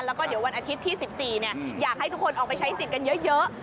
แล้วก็เดี๋ยววันอาทิตย์ที่๑๔อยากให้ทุกคนออกไปใช้สิทธิ์กันเยอะ